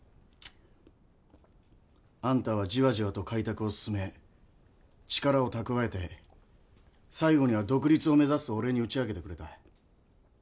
あんたはじわじわと開拓を進め力を蓄えて最後には独立を目指すと俺に打ち明けてくれた。